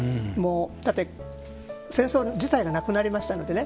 だって、戦争自体がなくなりましたのでね。